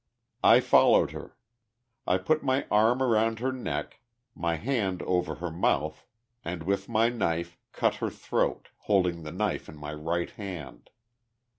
I followed her. I put my arm around her neck, my hand over her mouth, and with my knife cut her throat, holding the knife in my right hand.